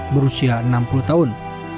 berusia enam puluh tahun